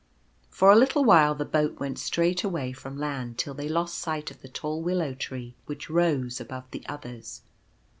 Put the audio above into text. For a little while the boat went straight away from land till they lost sight of the tall Willow tree which rose above the others.